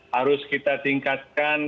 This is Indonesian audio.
harus kita tingkatkan